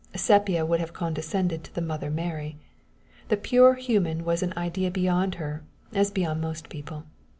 Sepia would have condescended to the Mother Mary. The pure human was an idea beyond her, as beyond most people.